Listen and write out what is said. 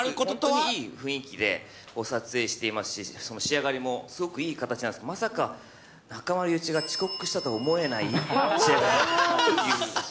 本当にいい雰囲気で撮影していますし、仕上がりもすごくいい形なんですけど、まさか、中丸雄一が遅刻したとは思えない仕上がりに。